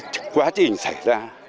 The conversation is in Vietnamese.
các quá trình xảy ra